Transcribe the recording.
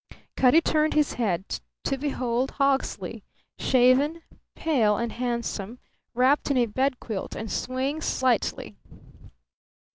Cutty turned his head, to behold Hawksley, shaven, pale, and handsome, wrapped in a bed quilt and swaying slightly.